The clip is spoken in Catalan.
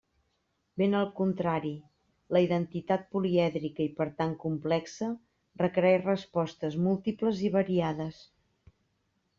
Ben al contrari, la identitat, polièdrica i, per tant, complexa, requereix respostes múltiples i variades.